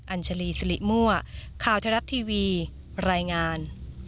อัญชลีสิริมั่วข่าวไทยรัฐทีวีรายงาน